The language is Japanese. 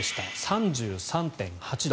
３３．８度。